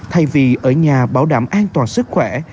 thay vì ở nhà bảo đảm an toàn sức khỏe